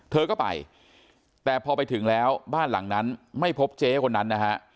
เธอก็ไปแต่พอไปถึงแล้วบ้านหลังนั้นไม่พบเจ๊คนนั้นนะฮะ